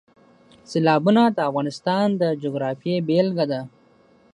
سیلابونه د افغانستان د جغرافیې بېلګه ده.